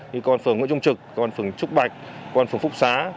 các quận phường nguyễn trung trực các quận phường trúc bạch các quận phường phúc xá